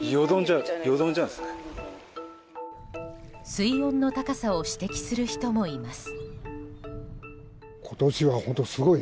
水温の高さを指摘する人もいます。